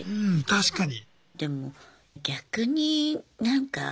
確かに。